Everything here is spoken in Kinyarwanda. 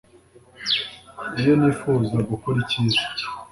iyo nifuza gukora icyiza